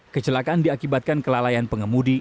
kecelakaan diakibatkan kelalaian pengemudi